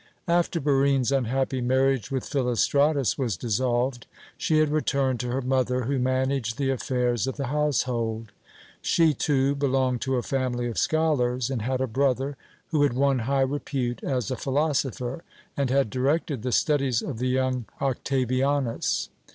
After Barine's unhappy marriage with Philostratus was dissolved, she had returned to her mother, who managed the affairs of the household. She too, belonged to a family of scholars and had a brother who had won high repute as a philosopher, and had directed the studies of the young Octavianus.